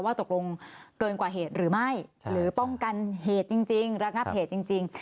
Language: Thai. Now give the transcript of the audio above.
ตกลงเกินกว่าเหตุหรือไม่หรือป้องกันเหตุจริงระงับเหตุจริง